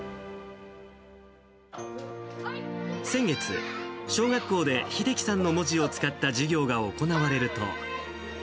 先月、小学校で秀樹さんの文字を使った授業が行われると。